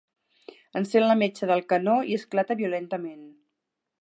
Encén la metxa del canó i esclata violentament.